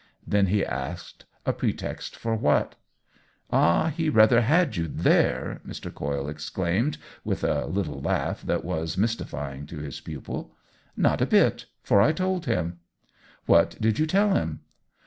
Then he asked, * A pretext for what ?'" "Ah, he rather had you there !" Mr. Coyle 174 OWEN WINGRAV'E exclaimed, with a little laugh that was m3'sti fying to his pupil. " Not a bit— for I told him." " What did you tell him